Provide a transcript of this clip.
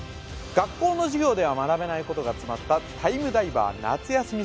学校の授業では学べないことが詰まったタイムダイバー夏休み